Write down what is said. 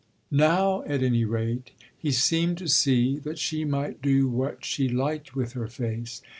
Now, at any rate, he seemed to see that she might do what she liked with her face.